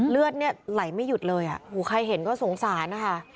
เลือดเนี่ยไหลไม่หยุดเลยใครเห็นก็สงสารนะคะ